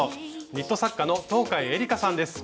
ニット作家の東海えりかさんです。